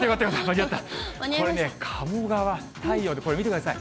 これ、鴨川、太陽で見てください。